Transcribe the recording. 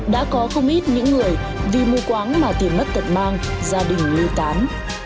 đã có không ít những người vì mua quán mà tìm mất tật mang gia đình lưu tán